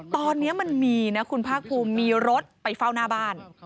ตอนนี้มันมีนะคุณภาคภูมิมีรถไปเฝ้าหน้าบ้าน